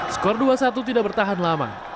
skor dua satu tidak bertahan lama